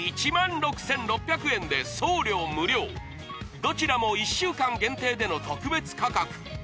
お得などちらも１週間限定での特別価格！